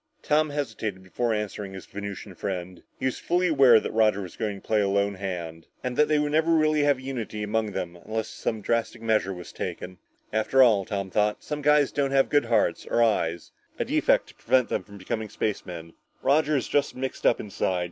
Tom hesitated before answering his Venusian friend. He was fully aware that Roger was going to play a lone hand. And that they would never really have unity among them until some drastic measure was taken. After all, Tom thought, some guys don't have good hearts, or eyes, a defect to prevent them from becoming spacemen. Roger is just mixed up inside.